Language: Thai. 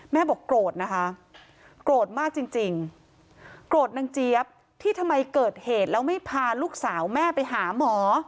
บอกโกรธนะคะโกรธมากจริงโกรธนางเจี๊ยบที่ทำไมเกิดเหตุแล้วไม่พาลูกสาวแม่ไปหาหมอ